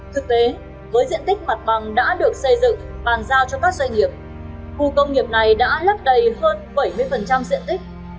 thực tế với diện tích mặt bằng đã được xây dựng bàn giao cho các doanh nghiệp khu công nghiệp này đã lấp đầy hơn bảy mươi diện tích